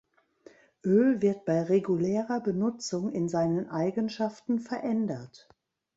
Öl wird bei regulärer Benutzung in seinen Eigenschaften verändert.